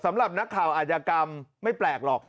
สำหรับนักข่าวอาจยากรรมไม่แปลกหรอก